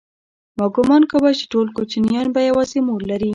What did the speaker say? ما گومان کاوه چې ټول کوچنيان به يوازې مور لري.